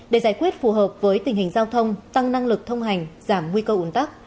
để giải quyết phù hợp với tình hình giao thông tăng năng lực thông hành giảm nguy cơ ủn tắc